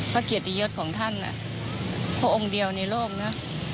พระเกียรติเย็ดของท่านอ่ะเพราะองค์เดียวในโลกน่ะ